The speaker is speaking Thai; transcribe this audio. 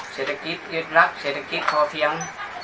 เศรษฐกิจยุทธลักษณ์เศรษฐกิจข้อเพียง